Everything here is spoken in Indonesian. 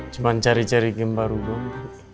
cuma cari cari game baru doang